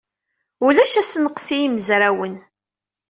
Ulac assenqes i yimezrawen.